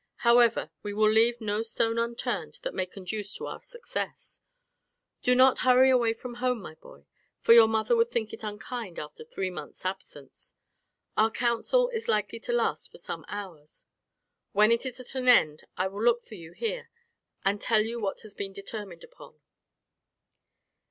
However, we will leave no stone unturned that may conduce to our success. Do not hurry away from home, my boy, for your mother would think it unkind after three months' absence. Our council is likely to last for some hours; when it is at an end I will look for you here and tell you what has been determined upon."